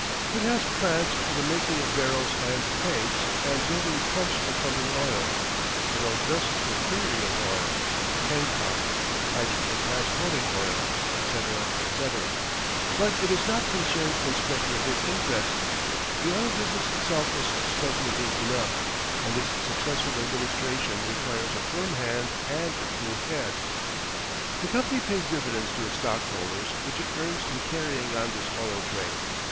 It has plants for the making of barrels and tanks; and building pumps for pumping oil; it owns vessels for carrying oil, tank cars, pipes for transporting oil, etc., etc. but it is not concerned in speculative interests. The oil business itself is speculative enough, and its successful administration requires a firm hand and a cool head. The company pays dividends to its stockholders which it earns in carrying on this oil trade.